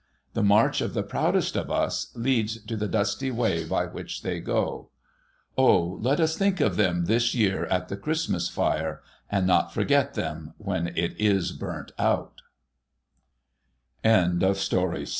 The march of the proudest of us, leads to the dusty way by which they go. O ! Let us think of them this year at the Christmas fire, and not forget them whe